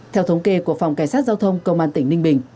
theo thống kê của phòng cảnh sát giao thông công an tỉnh ninh bình